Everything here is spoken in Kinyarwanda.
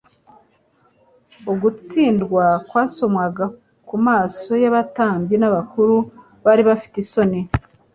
Ugutsindwa kwasomwaga ku maso y'abatambyi n'abakuru, bari bafite isoni.